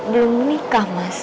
belum nikah mas